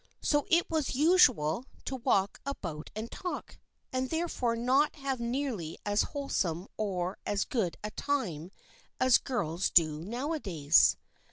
So it was usual to walk about and talk, and therefore not have nearly as wholesome or as good a time as girls do nowadays.